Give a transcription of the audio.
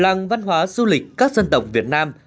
làng văn hóa du lịch các dân tộc việt nam